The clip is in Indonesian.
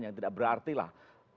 yang tidak berarti lah